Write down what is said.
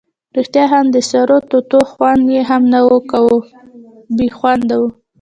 ریښتیا هم د سرو توتو خوند یې هم نه کاوه، بې خونده وو.